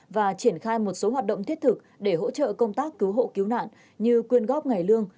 và triển khai một số hoạt động thiết thực để hỗ trợ công tác cứu hộ cứu nạn như quyên góp ngày lương